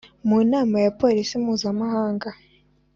Mu nama ya Polisi mpuzamahanga